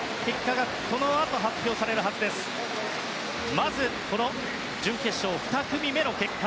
まず準決勝２組目の結果。